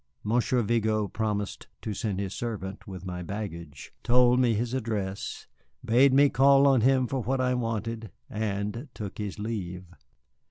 Monsieur Vigo promised to send his servant with my baggage, told me his address, bade me call on him for what I wanted, and took his leave.